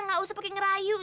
gak usah pake ngerayu